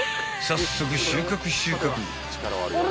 ［早速収穫収穫］